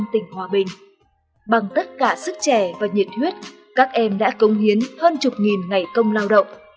trong tình hòa bình bằng tất cả sức trẻ và nhiệt huyết các em đã cống hiến hơn chục nghìn ngày công lao động